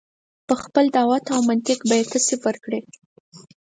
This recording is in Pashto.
په خپل دعوت او منطق به یې ته صفر کړې.